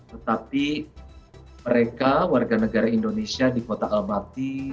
tetapi mereka warga negara indonesia di kota almaty